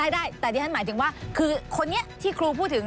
ได้แต่ดิฉันหมายถึงว่าคือคนนี้ที่ครูพูดถึง